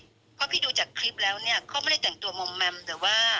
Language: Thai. เพราะพี่ดูจากคลิปแล้วเนี่ยเขาไม่ได้แต่งตัวมอมแมมแต่ว่า